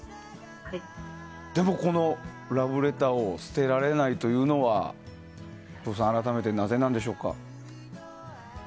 でも、このラブレターを捨てられないというのはぷぅさん、改めてなぜなんでしょうか？